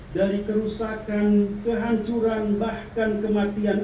dari kerusakan kehancuran bahkan kematian